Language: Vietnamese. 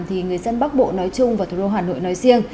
thì người dân bắc bộ nói chung và thủ đô hà nội nói riêng